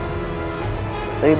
ini perjalanan berbahaya